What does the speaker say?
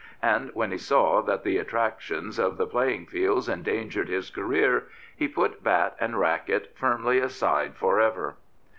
And when he saw that the attractions of the playing fields endangered his career, he put bat and racquet firmly aside for ever.